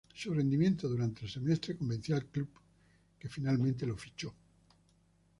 Su rendimiento durante el semestre convenció al club, que finalmente lo fichó.